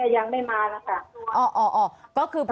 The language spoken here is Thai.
เพราะว่ามีใบบันทึกอยู่แล้ว